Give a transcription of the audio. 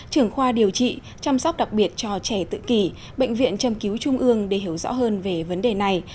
trưởng khoa điều trị chăm sóc đặc biệt cho trẻ tự kỷ bệnh viện châm cứu trung ương để hiểu rõ hơn về vấn đề này